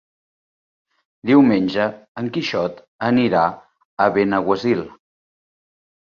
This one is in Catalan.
Diumenge en Quixot anirà a Benaguasil.